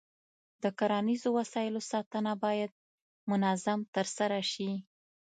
د کرنیزو وسایلو ساتنه باید منظم ترسره شي.